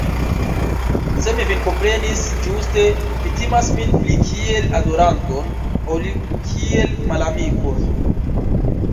Se mi vin komprenis ĝuste, vi timas min pli kiel adoranton, ol kiel malamikon.